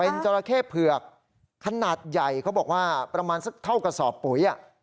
จราเข้เผือกขนาดใหญ่เขาบอกว่าประมาณสักเท่ากระสอบปุ๋ย